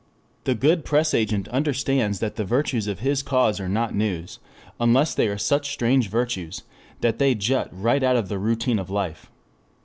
3 The good press agent understands that the virtues of his cause are not news, unless they are such strange virtues that they jut right out of the routine of life.